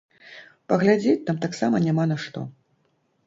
Паглядзець там таксама няма на што.